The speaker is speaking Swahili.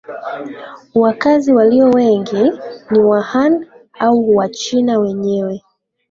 Wakazi walio wengi ni Wahan au Wachina wenyewe